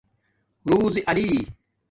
رُزی علی